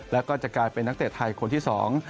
แล้วก็จะกลายเป็นนักเตะไทยคนที่สอง